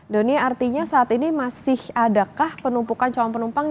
doni artinya saat ini masih adakah penumpukan calon penumpang